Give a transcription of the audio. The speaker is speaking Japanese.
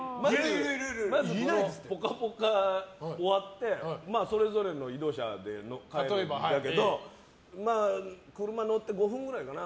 まず「ぽかぽか」終わってそれぞれの移動車で帰るんだけど車、乗って５分くらいかな。